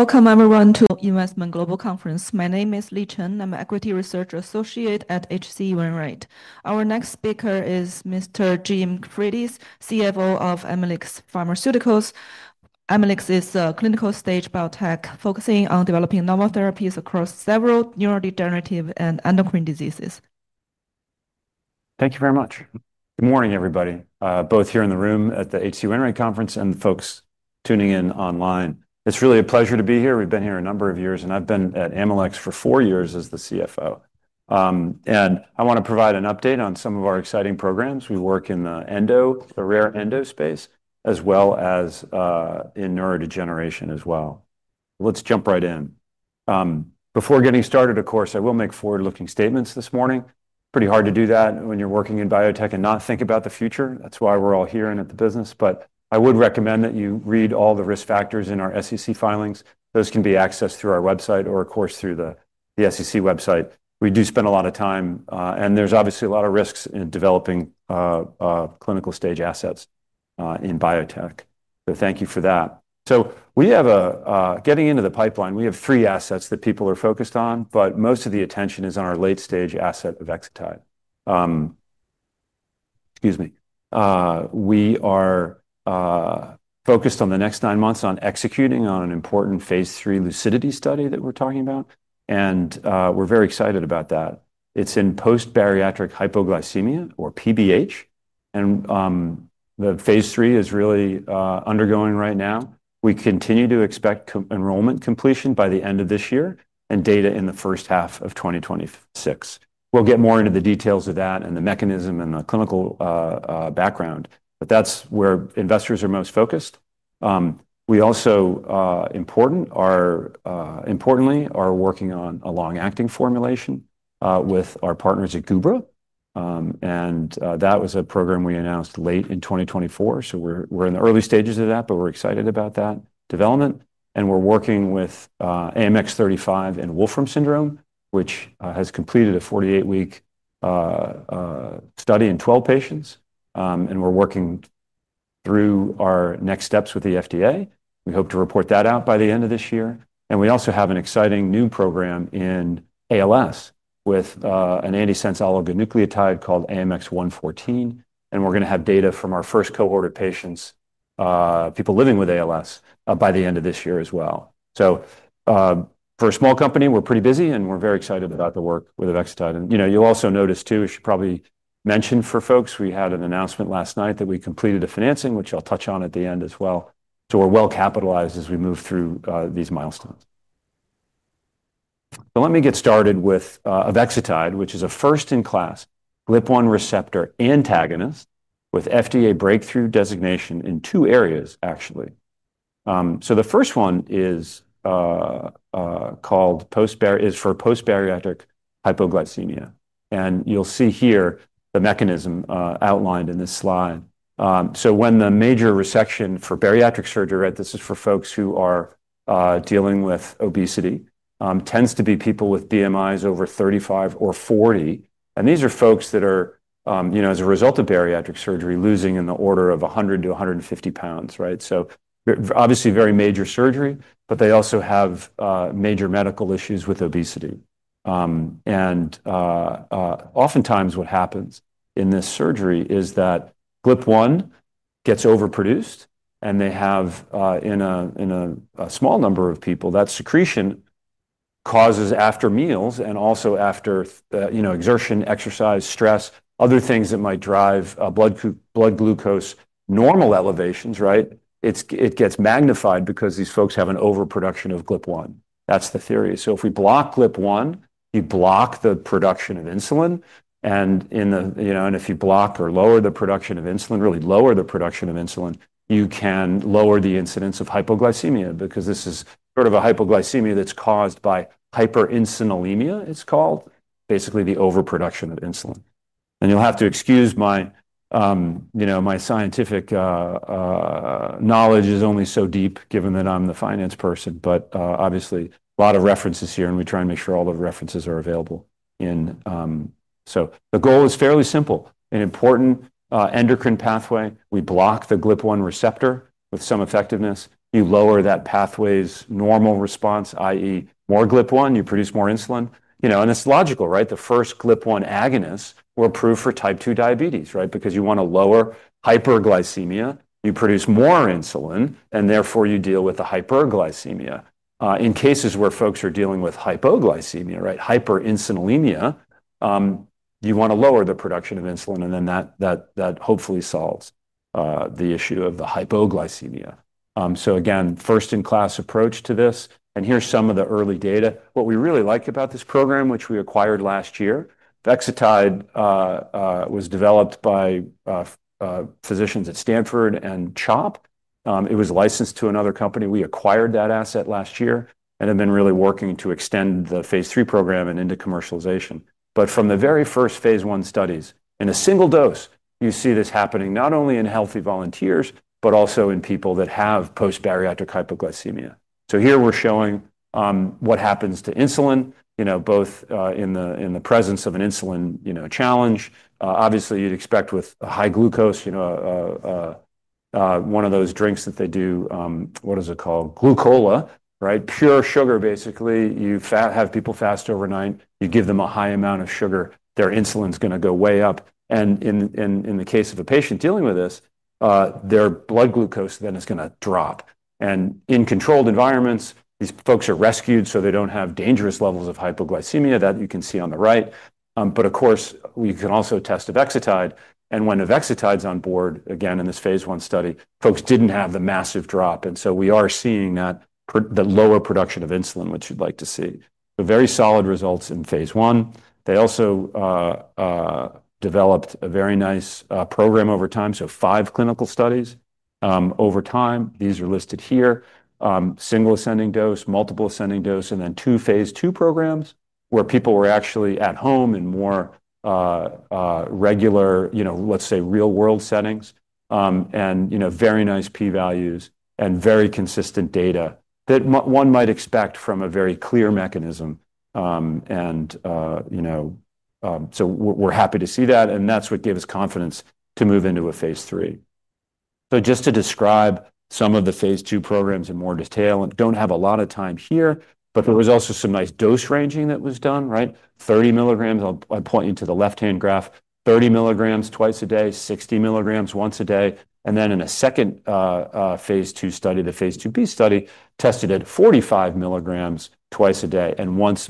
Welcome everyone to the Investment Global Conference. My name is Li Chen. I'm an Equity Research Associate at HC Wainwright. Our next speaker is Mr. Jim Frates, CFO of Amylyx Pharmaceuticals. Amylyx is a clinical-stage biotech focusing on developing novel therapies across several neurodegenerative and endocrine diseases. Thank you very much. Good morning, everybody, both here in the room at the HC Wainwright Conference and the folks tuning in online. It's really a pleasure to be here. We've been here a number of years, and I've been at Amylyx Pharmaceuticals for four years as the CFO. I want to provide an update on some of our exciting programs. We work in the rare endocrine space, as well as in neurodegeneration as well. Let's jump right in. Before getting started, of course, I will make forward-looking statements this morning. Pretty hard to do that when you're working in biotech and not think about the future. That's why we're all here and at the business. I would recommend that you read all the risk factors in our SEC filings. Those can be accessed through our website or, of course, through the SEC website. We do spend a lot of time, and there's obviously a lot of risks in developing clinical-stage assets in biotech. Thank you for that. Getting into the pipeline, we have three assets that people are focused on, but most of the attention is on our late-stage asset avexitide. Excuse me. We are focused on the next nine months on executing on an important Phase 3 LUCIDITY study that we're talking about, and we're very excited about that. It's in post-bariatric hypoglycemia or PBH, and the Phase 3 is really undergoing right now. We continue to expect enrollment completion by the end of this year and data in the first half of 2026. We'll get more into the details of that and the mechanism and the clinical background, but that's where investors are most focused. We also, importantly, are working on a long-acting formulation with our partners at Gubra, and that was a program we announced late in 2024. We're in the early stages of that, but we're excited about that development. We're working with AMX0035 in Wolfram syndrome, which has completed a 48-week study in 12 patients, and we're working through our next steps with the FDA. We hope to report that out by the end of this year. We also have an exciting new program in ALS with an antisense oligonucleotide called AMX0114, and we're going to have data from our first cohort of patients, people living with ALS, by the end of this year as well. For a small company, we're pretty busy, and we're very excited about the work with avexitide. You'll also notice too, I should probably mention for folks, we had an announcement last night that we completed the financing, which I'll touch on at the end as well. We're well capitalized as we move through these milestones. Let me get started with avexitide, which is a first-in-class GLP-1 receptor antagonist with FDA Breakthrough Therapy Designation in two areas, actually. The first one is for post-bariatric hypoglycemia. You'll see here the mechanism outlined in this slide. When the major resection for bariatric surgery, this is for folks who are dealing with obesity, tends to be people with BMIs over 35 or 40. These are folks that are, you know, as a result of bariatric surgery, losing in the order of 100 to 150 pounds, right? Obviously very major surgery, but they also have major medical issues with obesity. Oftentimes what happens in this surgery is that GLP-1 gets overproduced, and they have, in a small number of people, that secretion causes after meals and also after, you know, exertion, exercise, stress, other things that might drive blood glucose normal elevations, right? It gets magnified because these folks have an overproduction of GLP-1. That's the theory. If we block GLP-1, you block the production of insulin. If you block or lower the production of insulin, really lower the production of insulin, you can lower the incidence of hypoglycemia because this is sort of a hypoglycemia that's caused by hyperinsulinemia, it's called, basically the overproduction of insulin. You'll have to excuse my, you know, my scientific knowledge is only so deep given that I'm the finance person, but obviously a lot of references here, and we try and make sure all the references are available. The goal is fairly simple. An important endocrine pathway, we block the GLP-1 receptor with some effectiveness. You lower that pathway's normal response, i.e., more GLP-1, you produce more insulin. You know, and it's logical, right? The first GLP-1 agonists were approved for type 2 diabetes, right? Because you want to lower hyperglycemia, you produce more insulin, and therefore you deal with the hyperglycemia. In cases where folks are dealing with hypoglycemia, right, hyperinsulinemia, you want to lower the production of insulin, and then that hopefully solves the issue of the hypoglycemia. Again, first-in-class approach to this, and here's some of the early data. What we really like about this program, which we acquired last year, avexitide was developed by physicians at Stanford and CHOP. It was licensed to another company. We acquired that asset last year and have been really working to extend the Phase 3 program and into commercialization. From the very first Phase 1 studies, in a single dose, you see this happening not only in healthy volunteers, but also in people that have post-bariatric hypoglycemia. Here we're showing what happens to insulin, both in the presence of an insulin challenge. Obviously, you'd expect with high glucose, one of those drinks that they do, what is it called? Glucola, right? Pure sugar, basically. You have people fast overnight. You give them a high amount of sugar. Their insulin's going to go way up. In the case of a patient dealing with this, their blood glucose then is going to drop. In controlled environments, these folks are rescued so they don't have dangerous levels of hypoglycemia that you can see on the right. We can also test with avexitide. When avexitide's on board, again, in this Phase 1 study, folks didn't have the massive drop. We are seeing that lower production of insulin, which you'd like to see. Very solid results in Phase 1. They also developed a very nice program over time. Five clinical studies over time. These are listed here. Single ascending dose, multiple ascending dose, and then two Phase 2 programs where people were actually at home in more regular, let's say real-world settings. Very nice p-values and very consistent data that one might expect from a very clear mechanism. We're happy to see that. That's what gives confidence to move into a Phase 3. Just to describe some of the Phase 2 programs in more detail, I don't have a lot of time here, but there was also some nice dose ranging that was done, right? 30 milligrams. I'll point you to the left-hand graph. 30 milligrams twice a day, 60 milligrams once a day. In a second Phase 2 study, the Phase 2b study tested at 45 milligrams twice a day and once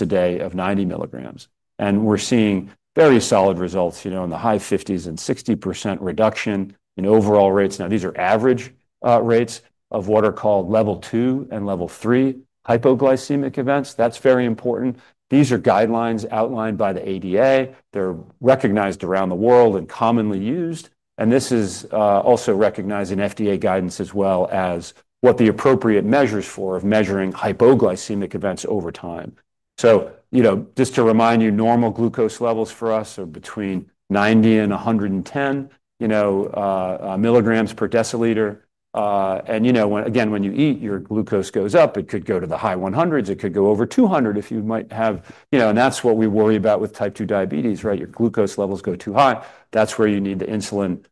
a day of 90 milligrams. We're seeing fairly solid results, in the high 50s and 60% reduction in overall rates. These are average rates of what are called level 2 and level 3 hypoglycemic events. That's very important. These are guidelines outlined by the ADA. They're recognized around the world and commonly used. This is also recognized in FDA guidance as well as what the appropriate measures are for measuring hypoglycemic events over time. Just to remind you, normal glucose levels for us are between 90 and 110 milligrams per deciliter. Again, when you eat, your glucose goes up. It could go to the high 100s. It could go over 200 if you might have, you know, and that's what we worry about with type 2 diabetes, right? Your glucose levels go too high. That's where you need the insulin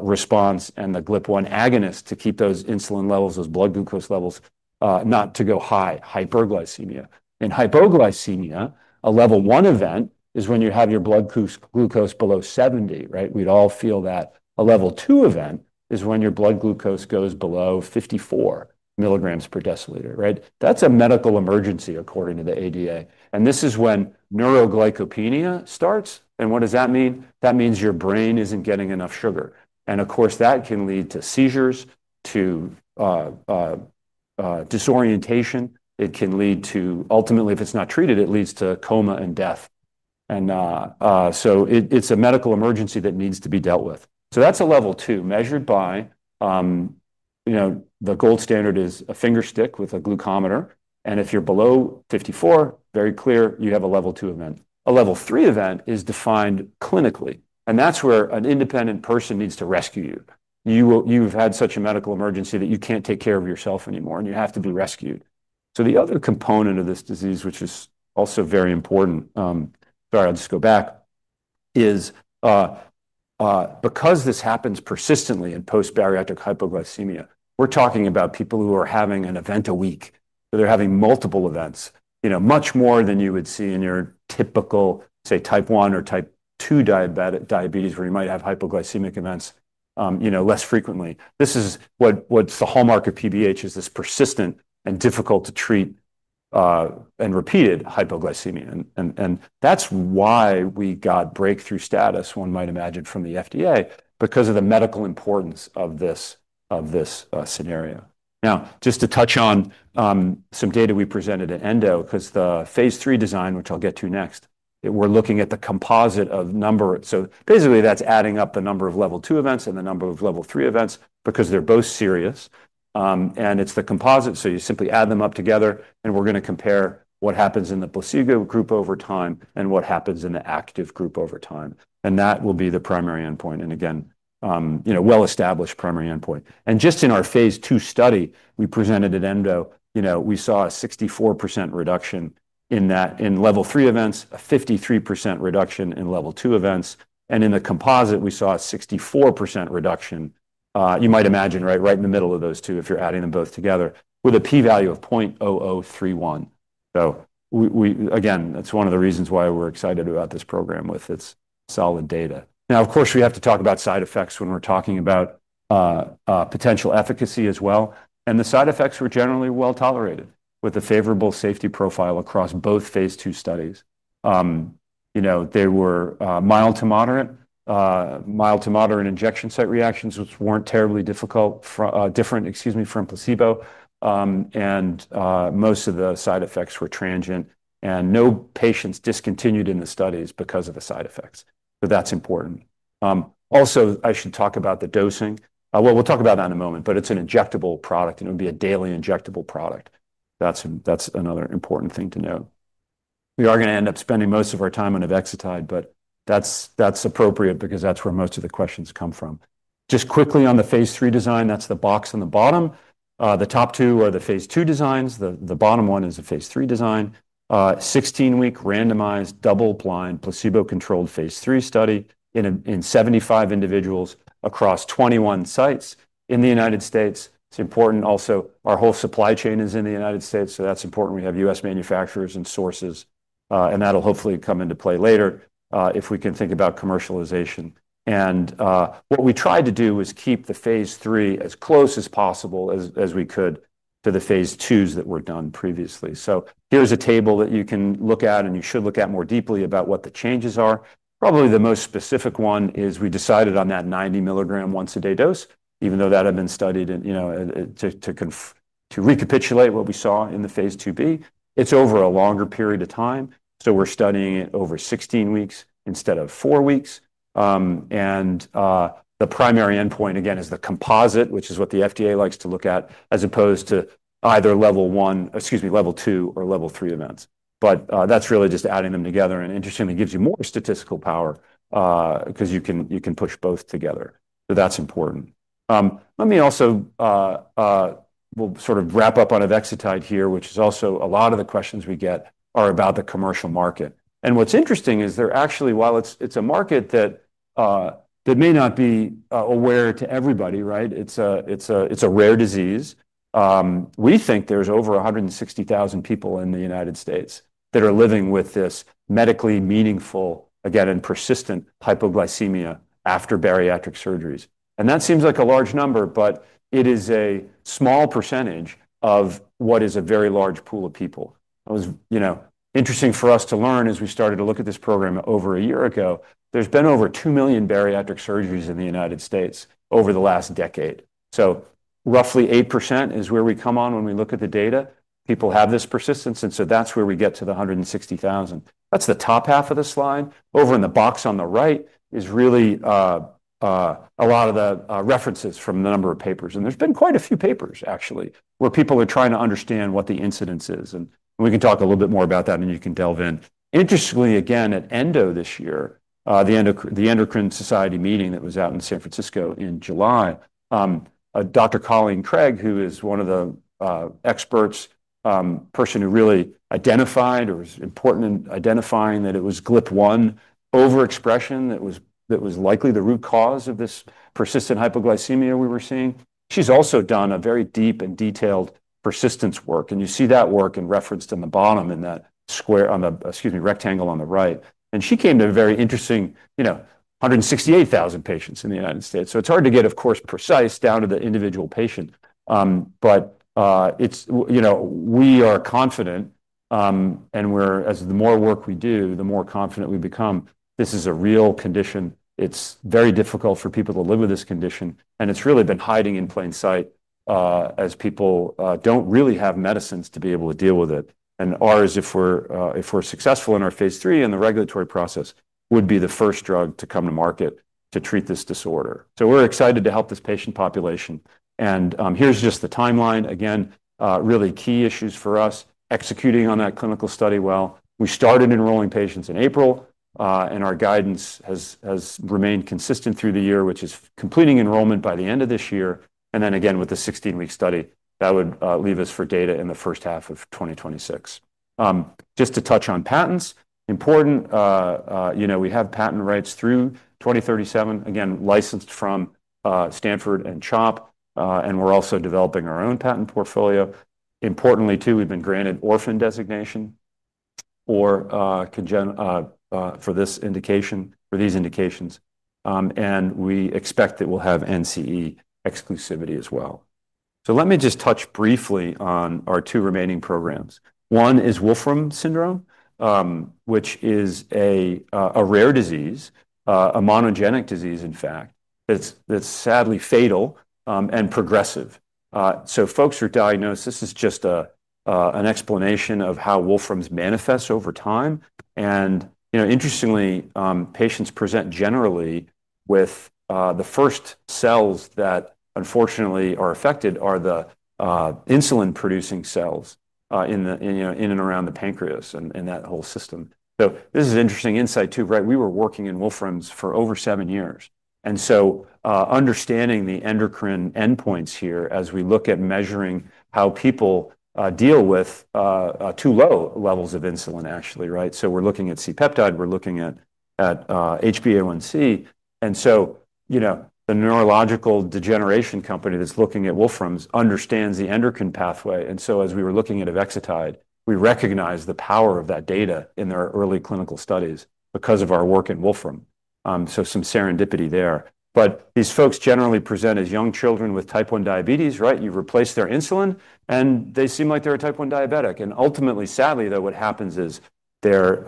response and the GLP-1 agonist to keep those insulin levels, those blood glucose levels, not to go high, hyperglycemia. In hypoglycemia, a level one event is when you have your blood glucose below 70, right? We'd all feel that. A level two event is when your blood glucose goes below 54 milligrams per deciliter, right? That's a medical emergency according to the ADA. This is when neuroglycopenia starts. What does that mean? That means your brain isn't getting enough sugar. Of course, that can lead to seizures, to disorientation. It can lead to, ultimately, if it's not treated, it leads to coma and death. It's a medical emergency that needs to be dealt with. That's a level two measured by, you know, the gold standard is a finger stick with a glucometer. If you're below 54, very clear you have a level two event. A level three event is defined clinically. That's where an independent person needs to rescue you. You've had such a medical emergency that you can't take care of yourself anymore, and you have to be rescued. The other component of this disease, which is also very important, sorry, I'll just go back, is because this happens persistently in post-bariatric hypoglycemia, we're talking about people who are having an event a week. They're having multiple events, much more than you would see in your typical, say, type 1 or type 2 diabetes where you might have hypoglycemic events less frequently. This is what's the hallmark of PBH, is this persistent and difficult to treat and repeated hypoglycemia. That's why we got breakthrough status, one might imagine, from the FDA because of the medical importance of this scenario. Now, just to touch on some data we presented at Endo, because the Phase 3 design, which I'll get to next, we're looking at the composite of number. Basically, that's adding up the number of level two events and the number of level three events because they're both serious. It's the composite. You simply add them up together, and we're going to compare what happens in the placebo group over time and what happens in the active group over time. That will be the primary endpoint. Again, well-established primary endpoint. Just in our Phase 2 study we presented at Endo, we saw a 64% reduction in that in level three events, a 53% reduction in level two events. In the composite, we saw a 64% reduction, you might imagine, right in the middle of those two if you're adding them both together, with a p-value of 0.0031. That's one of the reasons why we're excited about this program with its solid data. Of course, we have to talk about side effects when we're talking about potential efficacy as well. The side effects were generally well tolerated with a favorable safety profile across both Phase 2 studies. They were mild to moderate, mild to moderate injection site reactions, which weren't terribly different, excuse me, from placebo. Most of the side effects were transient. No patients discontinued in the studies because of the side effects. That's important. Also, I should talk about the dosing. We'll talk about that in a moment, but it's an injectable product, and it would be a daily injectable product. That's another important thing to note. We are going to end up spending most of our time on avexitide, but that's appropriate because that's where most of the questions come from. Just quickly on the Phase 3 design, that's the box on the bottom. The top two are the Phase 2 designs. The bottom one is the Phase 3 design. Sixteen-week randomized double-blind placebo-controlled Phase 3 study in 75 individuals across 21 sites in the U.S. It's important also, our whole supply chain is in the U.S., so that's important. We have U.S. manufacturers and sources, and that'll hopefully come into play later if we can think about commercialization. What we tried to do was keep the Phase 3 as close as possible as we could to the Phase 2s that were done previously. Here's a table that you can look at, and you should look at more deeply about what the changes are. Probably the most specific one is we decided on that 90 milligram once-a-day dose, even though that had been studied, you know, to recapitulate what we saw in the Phase 2b. It's over a longer period of time. We're studying it over 16 weeks instead of four weeks. The primary endpoint, again, is the composite, which is what the FDA likes to look at, as opposed to either level one, excuse me, level two or level three events. That's really just adding them together. Interestingly, it gives you more statistical power because you can push both together. That's important. Let me also, we'll sort of wrap up on avexitide here, which is also a lot of the questions we get are about the commercial market. What's interesting is they're actually, while it's a market that may not be aware to everybody, right? It's a rare disease. We think there's over 160,000 people in the U.S. that are living with this medically meaningful, again, and persistent hypoglycemia after bariatric surgeries. That seems like a large number, but it is a small percentage of what is a very large pool of people. It was interesting for us to learn as we started to look at this program over a year ago. There's been over 2 million bariatric surgeries in the U.S. over the last decade. Roughly 8% is where we come on when we look at the data. People have this persistence. That's where we get to the 160,000. That's the top half of the slide. Over in the box on the right is really a lot of the references from the number of papers. There's been quite a few papers, actually, where people are trying to understand what the incidence is. We can talk a little bit more about that, and you can delve in. Interestingly, again, at Endo this year, the Endocrine Society meeting that was out in San Francisco in July, Dr. Colleen Craig, who is one of the experts, person who really identified or was important in identifying that it was GLP-1 overexpression that was likely the root cause of this persistent hypoglycemia we were seeing. She's also done a very deep and detailed persistence work. You see that work in reference in the bottom in that square, on the, excuse me, rectangle on the right. She came to a very interesting, you know, 168,000 patients in the U.S. So it's hard to get, of course, precise down to the individual patient. We are confident, and as the more work we do, the more confident we become. This is a real condition. It's very difficult for people to live with this condition. It's really been hiding in plain sight as people don't really have medicines to be able to deal with it. Ours, if we're successful in our Phase 3 and the regulatory process, would be the first drug to come to market to treat this disorder. We're excited to help this patient population. Here's just the timeline. Again, really key issues for us executing on that clinical study. We started enrolling patients in April, and our guidance has remained consistent through the year, which is completing enrollment by the end of this year. With the 16-week study, that would leave us for data in the first half of 2026. Just to touch on patents, important, we have patent rights through 2037, licensed from Stanford and CHOP, and we're also developing our own patent portfolio. Importantly, we've been granted orphan designation for this indication, for these indications. We expect that we'll have NCE exclusivity as well. Let me just touch briefly on our two remaining programs. One is Wolfram syndrome, which is a rare disease, a monogenic disease, in fact, that's sadly fatal and progressive. Folks are diagnosed. This is just an explanation of how Wolfram syndrome manifests over time. Interestingly, patients present generally with the first cells that unfortunately are affected, the insulin-producing cells in and around the pancreas and that whole system. This is an interesting insight too, right? We were working in Wolfram syndrome for over seven years. Understanding the endocrine endpoints here as we look at measuring how people deal with too low levels of insulin, actually, right? We're looking at C-peptide. We're looking at HbA1c. The neurological degeneration company that's looking at Wolfram syndrome understands the endocrine pathway. As we were looking at avexitide, we recognize the power of that data in their early clinical studies because of our work in Wolfram syndrome. Some serendipity there. These folks generally present as young children with type 1 diabetes, right? You replace their insulin and they seem like they're a type 1 diabetic. Ultimately, sadly, what happens is their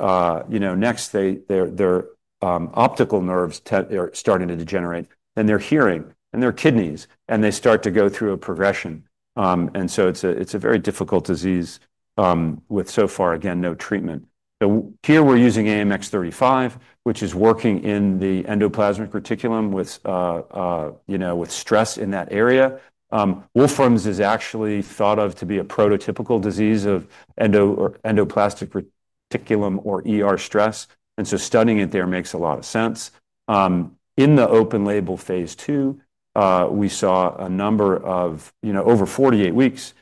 next day, their optical nerves are starting to degenerate and their hearing and their kidneys and they start to go through a progression. It is a very difficult disease with so far, again, no treatment. Here we're using AMX0035, which is working in the endoplasmic reticulum with stress in that area. Wolfram syndrome is actually thought of to be a prototypical disease of endoplasmic reticulum stress. Studying it there makes a lot of sense. In the open label Phase 2, we saw a number of, over 48 weeks,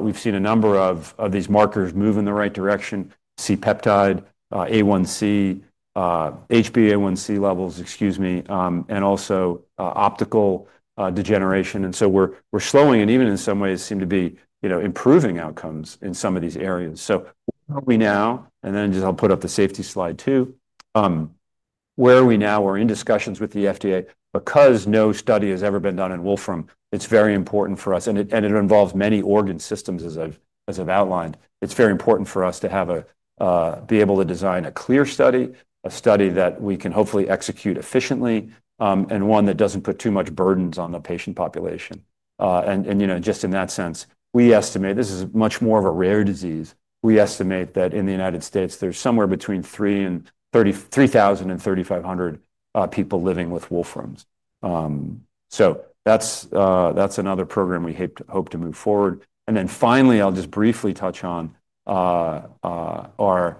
we've seen a number of these markers move in the right direction: C-peptide, A1C, HbA1c levels, excuse me, and also optical degeneration. We are slowing and even in some ways seem to be improving outcomes in some of these areas. Where are we now? I'll put up the safety slide too. Where are we now? We're in discussions with the FDA because no study has ever been done in Wolfram syndrome. It's very important for us and it involves many organ systems as I've outlined. It's very important for us to be able to design a clear study, a study that we can hopefully execute efficiently and one that doesn't put too much burden on the patient population. In that sense, we estimate this is much more of a rare disease. We estimate that in the U.S., there's somewhere between 3,000 and 3,500 people living with Wolfram syndrome. That's another program we hope to move forward. Finally, I'll just briefly touch on our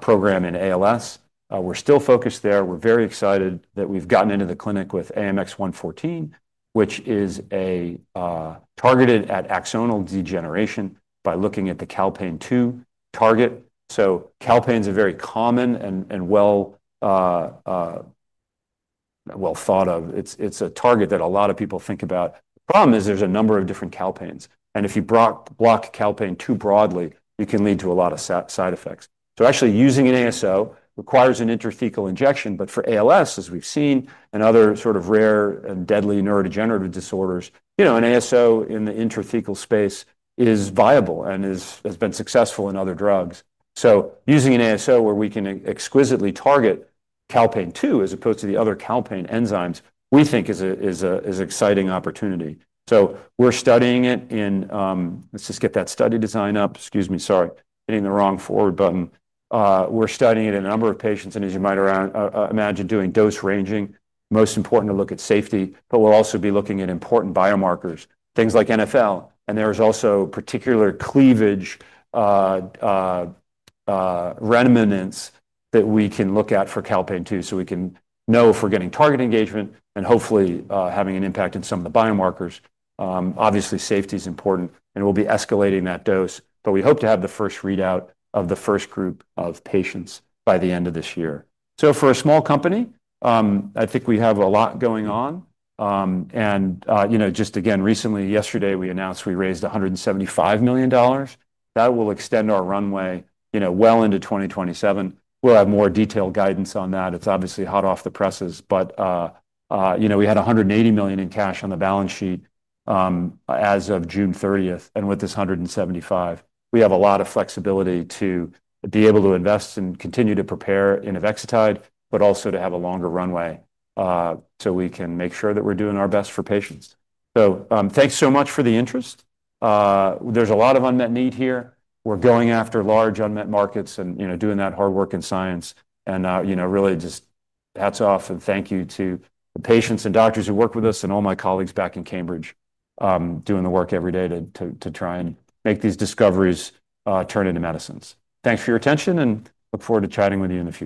program in ALS. We're still focused there. We're very excited that we've gotten into the clinic with AMX0114, which is targeted at axonal degeneration by looking at the Calpain 2 target. Calpain is a very common and well thought of, it's a target that a lot of people think about. The problem is there's a number of different calpains. If you block calpain too broadly, you can lead to a lot of side effects. Actually using an antisense oligonucleotide requires an intrathecal injection. For ALS, as we've seen, and other sort of rare and deadly neurodegenerative disorders, an antisense oligonucleotide in the intrathecal space is viable and has been successful in other drugs. Using an antisense oligonucleotide where we can exquisitely target Calpain 2 as opposed to the other calpain enzymes, we think is an exciting opportunity. We're studying it in, let's just get that study design up. Excuse me, sorry, hitting the wrong forward button. We're studying it in a number of patients. As you might imagine, doing dose ranging, most important to look at safety, but we'll also be looking at important biomarkers, things like NFL. There are also particular cleavage remnants that we can look at for CalPAN2 so we can know if we're getting target engagement and hopefully having an impact in some of the biomarkers. Obviously, safety is important and we'll be escalating that dose, but we hope to have the first readout of the first group of patients by the end of this year. For a small company, I think we have a lot going on. Just again, recently, yesterday, we announced we raised $175 million. That will extend our runway well into 2027. We'll have more detailed guidance on that. It's obviously hot off the presses, but we had $180 million in cash on the balance sheet as of June 30th. With this $175 million, we have a lot of flexibility to be able to invest and continue to prepare in avexitide, but also to have a longer runway so we can make sure that we're doing our best for patients. Thanks so much for the interest. There's a lot of unmet need here. We're going after large unmet markets and doing that hard work in science. Really just hats off and thank you to the patients and doctors who work with us and all my colleagues back in Cambridge doing the work every day to try and make these discoveries turn into medicines. Thanks for your attention and look forward to chatting with you in the future.